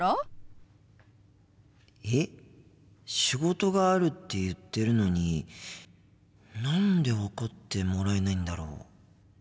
仕事があるって言ってるのに何で分かってもらえないんだろう？